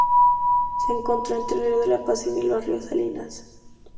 Se encuentra entre el río La Pasión y el río Salinas.